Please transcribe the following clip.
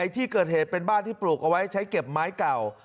ที่เกิดเหตุเป็นบ้านที่ปลูกเอาไว้ใช้เก็บไม้เก่า